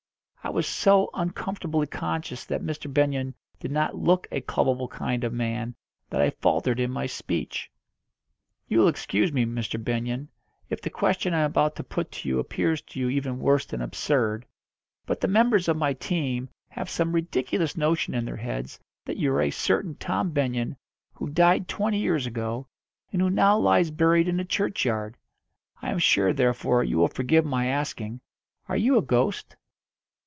I was so uncomfortably conscious that Mr. Benyon did not look a clubbable kind of man that I faltered in my speech. "You will excuse me, Mr. Benyon, if the question I am about to put to you appears to you even worse than absurd, but the members of my team have some ridiculous notion in their heads that you are a certain Tom Benyon who died twenty years ago, and who now lies buried in the churchyard. I am sure, therefore, you will forgive my asking, are you a ghost?"